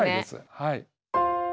はい。